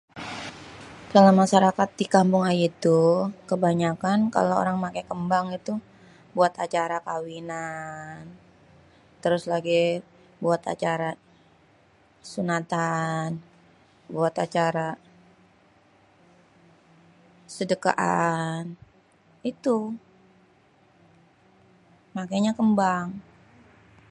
kalo masyarakat di kampung ayé tuh, kebanyakan kalo orang paké kembang tuh, buat acara kawinan, terus lagih buat acara sunatan, buat acara sedekahan, itu makényé kembang.